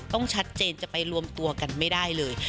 ต้องชัดเจนจะไปรวมตัวกันไม่ได้เลย